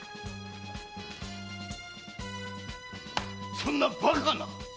そんなバカなっ！